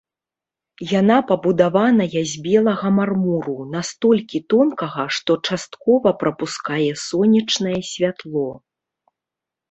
Яна пабудаваная з белага мармуру, настолькі тонкага, што часткова прапускае сонечнае святло.